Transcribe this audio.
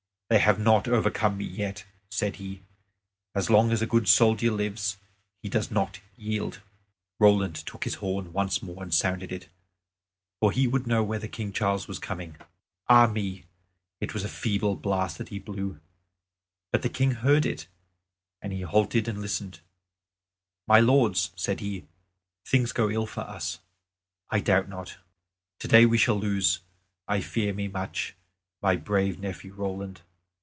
"They have not overcome me yet," said he; "as long as a good soldier lives, he does not yield." Roland took his horn once more and sounded it, for he would know whether King Charles were coming. Ah me! it was a feeble blast that he blew. But the King heard it, and he halted and listened. "My lords!" said he, "things go ill for us, I doubt not. Today we shall lose, I fear me much, my brave nephew Roland.